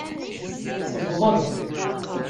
Tewweḍ-d.